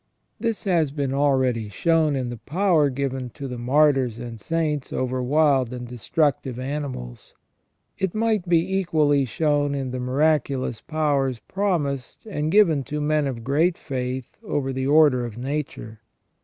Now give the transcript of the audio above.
This has been already shown in the power given to the martyrs and saints over wild and destructive animals. It might be equally shown in the miraculous powers promised and given to men of great faith over the order of nature.